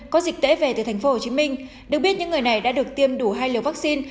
có dịch tễ về từ thành phố hồ chí minh được biết những người này đã được tiêm đủ hai liều vaccine